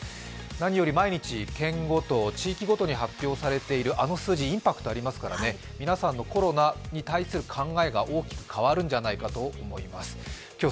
何より毎日、県ごと、地域ごとに発表されているあの数字インパクトありますからね、皆さんのコロナに対する考えが大きく変わるんじゃないかと思います。